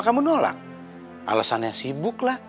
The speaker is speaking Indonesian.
kamu nolak alasannya sibuklah